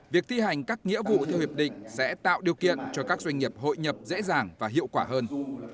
việc thi hành các nghĩa vụ theo hiệp định sẽ tạo điều kiện cho các doanh nghiệp hội nhập dễ dàng và hiệu quả hơn